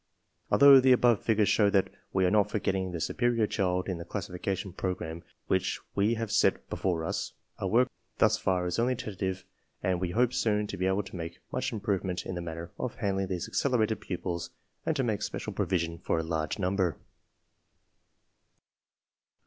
Although the above figures show that we are not forgetting the superior child in the classification program which we have set before us, our work thus far is only tentative and we hope soon to be able to make much .improvement in the j CLASSIFICATION BY MENTAL ABILITY 45 manner of handling these accelerated pupils and to make special provision for a larger number.